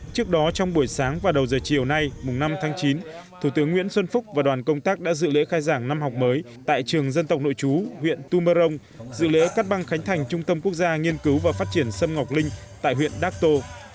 trước đó trong buổi sáng và đầu giờ chiều nay mùng năm tháng chín thủ tướng nguyễn xuân phúc và đoàn công tác đã dự lễ khai giảng năm học mới tại trường dân tộc nội chú huyện tumarong dự lễ cắt băng khánh thành trung tâm quốc gia nghiên cứu và phát triển sâm ngọc linh tại huyện datto